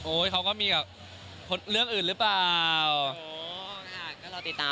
โอ้ยเขาก็มีเรื่องอื่นหรือเปล่า